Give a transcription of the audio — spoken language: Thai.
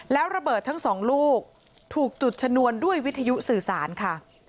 แล้วระเบิดทั้งสองลูกถูกจุดชนวนด้วยวิทยุสื่อสารค่ะ